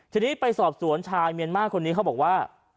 ทีนี้ไปสอบสวนชายเมียนมาร์คนนี้เขาบอกว่า